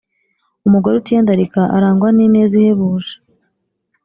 Umugore utiyandarika arangwa n’ineza ihebuje,